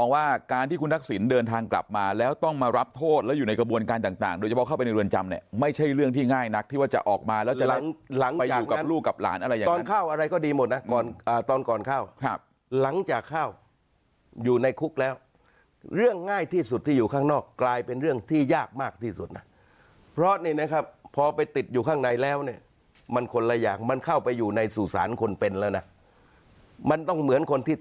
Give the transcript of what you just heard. ว่าการที่คุณทักษิณเดินทางกลับมาแล้วต้องมารับโทษแล้วอยู่ในกระบวนการต่างโดยเฉพาะเข้าไปในรวรจำเนี่ยไม่ใช่เรื่องที่ง่ายนักที่ว่าจะออกมาแล้วจะไปอยู่กับลูกกับหลานอะไรอย่างนั้นตอนเข้าอะไรก็ดีหมดนะตอนก่อนเข้าครับหลังจากเข้าอยู่ในคุกแล้วเรื่องง่ายที่สุดที่อยู่ข้างนอกกลายเป็นเรื่องที่ยากมากที่สุ